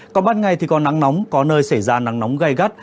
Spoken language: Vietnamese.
còn ban ngày thì có nắng nóng có nơi xảy ra nắng nóng gai gắt